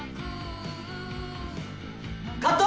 カット！